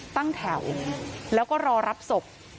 ตั้งแถวแล้วก็รอรับศพ